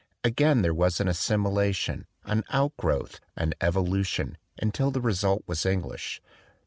Again there was an assimilation, an outgrowth, an evolution, until the result was English.